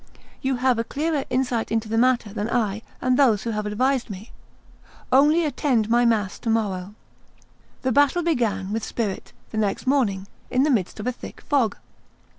You have a clearer insight into the matter than I and those who have advised me. Only attend my mass to morrow." The battle began with spirit the next morning, in the midst of a thick fog.